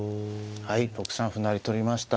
はい６三歩成取りました。